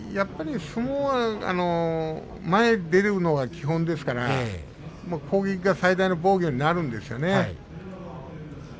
相撲は前に出るのが基本ですから攻撃が最大の防御になるんですよね。